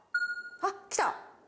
あっきた！